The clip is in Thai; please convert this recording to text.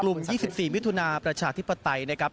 ๒๔มิถุนาประชาธิปไตยนะครับ